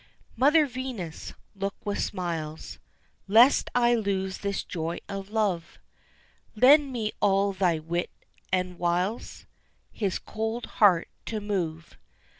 Mother Venus, look with smiles, Lest I lose this joy of love: Lend me all thy wit and wiles His cold heart to move.